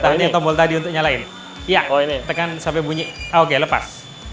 petani tombol tadi untuk nyalain iya tekan sampai bunyi oke lepas